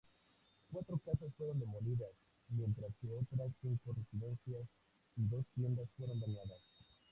Cuatro casas fueron demolidas, mientras que otras cinco residencias y dos tiendas fueron dañadas.